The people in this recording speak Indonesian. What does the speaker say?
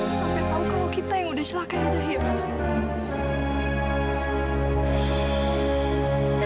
bagaimana kalau ibu tahu kita yang sudah mencelakai zahira